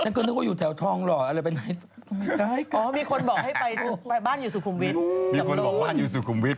ฉันก็นึกว่าอยู่แถวทองหรออะไรไปไหนอ๋อมีคนบอกให้ไปบ้านอยู่สุขุมวิทย์